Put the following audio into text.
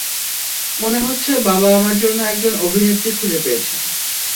মনে হচ্ছে বাবা আমার জন্য একজন অভিনেত্রী খুঁজে পেয়েছেন!